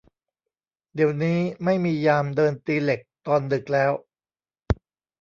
เดี๋ยวนี้ไม่มียามเดินตีเหล็กตอนดึกแล้ว